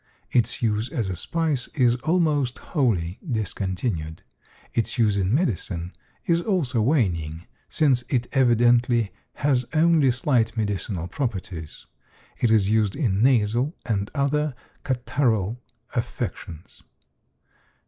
Its use as a spice is almost wholly discontinued. Its use in medicine is also waning, since it evidently has only slight medicinal properties. It is used in nasal and other catarrhal affections.